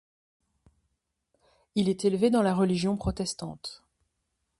Il est élevé dans la religion protestante.